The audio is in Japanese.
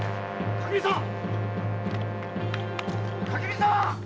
垣見さん！